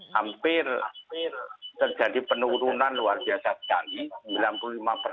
hampir terjadi penurunan luar biasa sekali